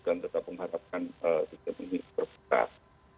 dan tetap mengharapkan sistem ini berputar